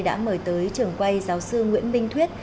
đã mời tới trường quay giáo sư nguyễn minh thuyết